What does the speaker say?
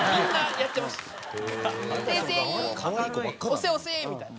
押せ押せ！」みたいな。